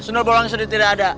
sundballs ini juga tidak ada